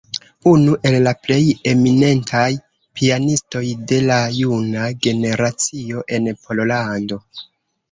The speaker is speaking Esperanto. Unu el la plej eminentaj pianistoj de la juna generacio en Pollando.